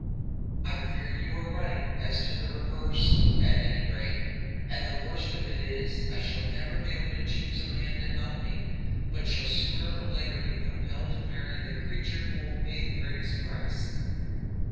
"I fear you are right, as to the reverse, at any rate; and the worst of it is, I shall never be able to choose a man to help me, but shall sooner or later be compelled to marry the creature who will pay the greatest price."